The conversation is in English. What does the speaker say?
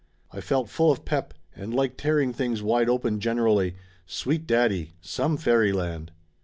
I felt full of pep and like tearing things wide open generally. Sweet daddy ! Some fairyland